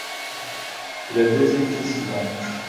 Leur deuxième fils l'hon.